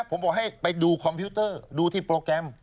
ผมบอกให้ไปดูคอมพิวเตอร์ดูที่โปรแกรม